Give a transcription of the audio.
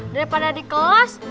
daripada di kelas